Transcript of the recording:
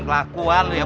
kelakuan lu ya